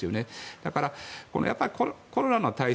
だから、コロナの対策